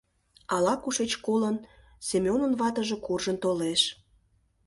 Ала-кушеч колын, Семёнын ватыже куржын толеш.